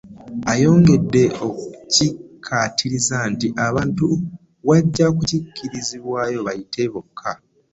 Ayongedde n'akikkaatiriza nti abantu wajja kukkirizibwayo bayite bokka